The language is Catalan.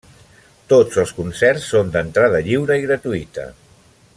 Tots els concerts són d'entrada lliure i gratuïta.